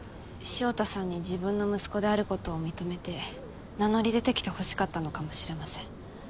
潮田さんに自分の息子であることを認めて名乗り出てきて欲しかったのかもしれません。